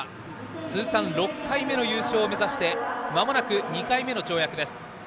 通算６回目の優勝を目指してまもなく２回目の跳躍です。